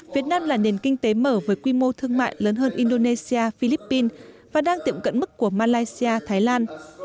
việt nam là nền kinh tế mở với quy mô thương mại lớn hơn indonesia philippines và đang tiệm cận mức của malaysia thái lan